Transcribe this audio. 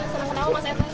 senang ketawa mas etes